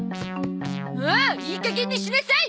もういい加減にしなさい！